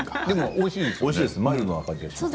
でも、おいしいですよ。